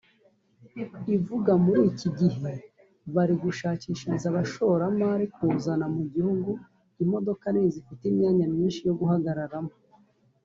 ivuga muri iki gihe bari gushishikariza abashoramari kuzana mu gihugu imodoka nini zifite imyanya myinshi yo guhagararamo